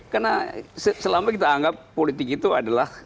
karena selama kita anggap politik itu adalah